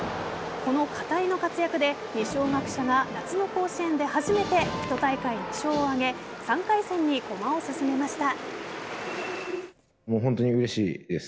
この片井の活躍で二松学舎が夏の甲子園で初めて１大会２勝を挙げ３回戦に駒を進めました。